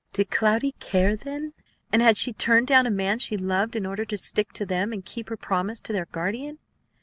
Did Cloudy care, then, and had she turned down a man she loved in order to stick to them and keep her promise to their guardian?